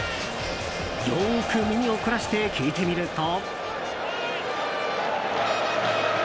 よく耳を凝らして聞いてみると。